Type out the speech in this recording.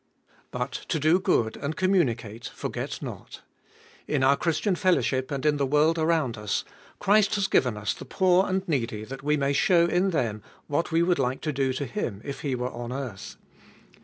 But to do good and to communicate forget not. In our Christian fellowship, and in the world around us, Christ has given us the poor and needy that we may show in them what we would like to do to Him, if He were on earth.